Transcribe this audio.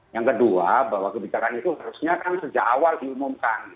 yang kedua bahwa kebijakan itu harusnya kan sejak awal diumumkan